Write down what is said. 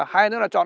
hay nữa là chọn